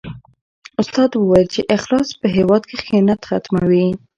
استاد وویل چې اخلاص په هېواد کې خیانت ختموي.